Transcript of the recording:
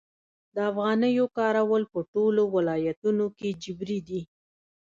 د افغانیو کارول په ټولو ولایتونو کې جبري دي؟